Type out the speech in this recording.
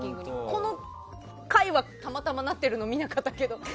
この回は、たまたまなってるのを見なかっただけとか。